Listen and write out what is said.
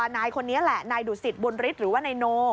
นายคนนี้แหละนายดุสิตบุญฤทธิ์หรือว่านายโน